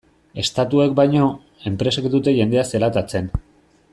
Estatuek baino, enpresek dute jendea zelatatzen.